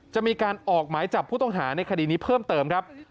จะมีการออกหมายจับผู้ต้องหาในคดีนี้เพิ่มเติมครับ